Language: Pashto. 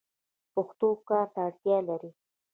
پښتو کار ته اړتیا لري.